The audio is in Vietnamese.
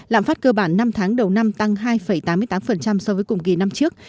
lạm phát cơ bản năm tháng đầu năm tăng hai tám mươi tám so với cùng kỳ năm trước